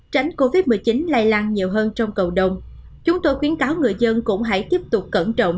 tránh covid một mươi chín lay lăng nhiều hơn trong cầu đồng chúng tôi khuyến cáo người dân cũng hãy tiếp tục cẩn trọng